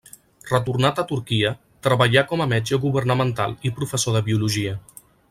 Retornat a Turquia, treballà com metge governamental i professor de biologia.